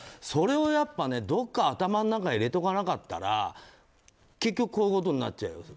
それをやっぱりどっか頭の中に入れておかなかったら結局こういうことになっちゃう。